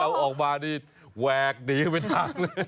พอเอาออกมานี่แวกหนีเข้าไปทักเลย